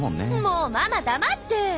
もうママ黙って！